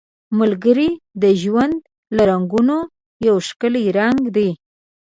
ملګری د ژوند له رنګونو یو ښکلی رنګ دی